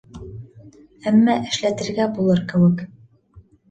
Әммә эшләтергә булыр кеүек.